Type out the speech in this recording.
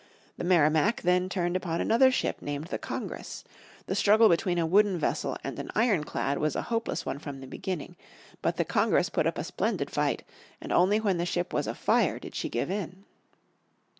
The Merrimac then turned upon another ship named the Congress. The struggle between a wooden vessel and an ironclad was a hopeless one from the beginning. But the Congress put up a splendid fight, and only when the ship was afire did she give in.